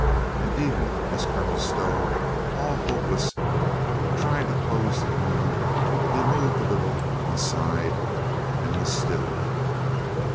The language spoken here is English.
and even as Colonel Stow, all hopeless, tried to close the wound he moved a little and sighed and was still.